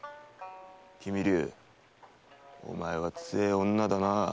君竜お前は強え女だなあ。